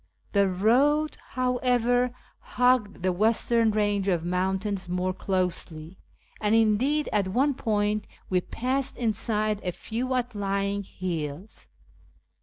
The road, however, huo;"ed the western range of moun tains more closely, and indeed at one point we passed inside a few outlying hills.